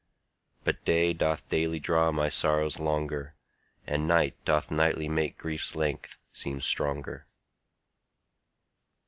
But day doth daily draw my sorrows longer, And night doth nightly make grief's length seem stronger.